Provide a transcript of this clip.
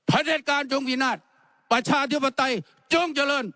เด็จการจงพินาศประชาธิปไตยจงเจริญ